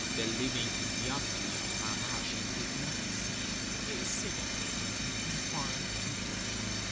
The living physiognomy of Marat she could not see; he is sick at present, and confined to home.